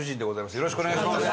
よろしくお願いします。